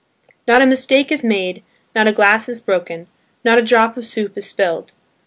Not a mistake is made, not a glass is broken, not a drop of soup is spilled.